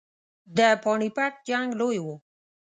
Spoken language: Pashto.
د پاني پټ جنګ لوی وو.